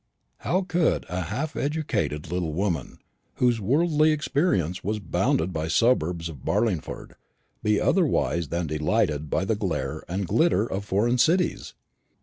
How could a half educated little woman, whose worldly experience was bounded by the suburbs of Barlingford, be otherwise than delighted by the glare and glitter of foreign cities?